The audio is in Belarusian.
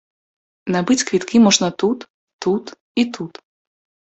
Набыць квіткі можна тут, тут і тут.